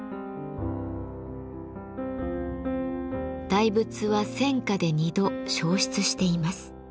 大仏は戦火で２度焼失しています。